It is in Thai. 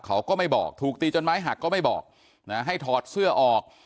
เขาก็ไม่บอกถูกตีจนไม้หักก็ไม่บอกนะให้ถอดเสื้อออก